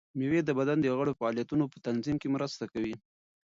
مېوې د بدن د غړو د فعالیتونو په تنظیم کې مرسته کوي.